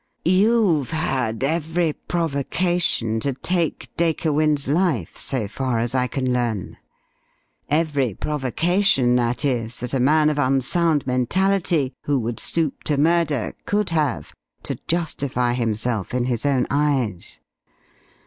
You've had every provocation to take Dacre Wynne's life, so far as I can learn, every provocation, that is, that a man of unsound mentality who would stoop to murder could have to justify himself in his own eyes.